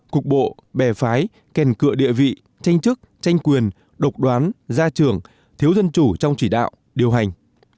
cục bộ bè phái kèn cựa địa vị tranh chức tranh quyền độc đoán gia trưởng thiếu dân chủ trong chỉ đạo điều hành